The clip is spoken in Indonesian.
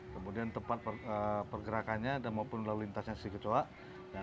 kemudian tempat pergerakannya dan maupun lalu lintasnya kecoak